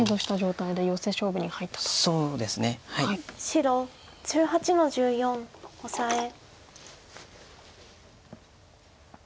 白１８の十四オサエ。